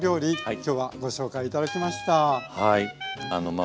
今日はご紹介頂きました。